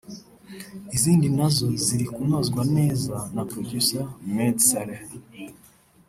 izindi na zo ziri kunozwa neza na Producer Meddy Saleh